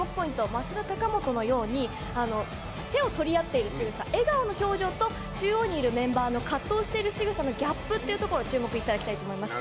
松田、高本のように手を取り合っているしぐさ笑顔の表情と中央にいるメンバーの葛藤しているしぐさのギャップっていうところ注目いただきたいと思います。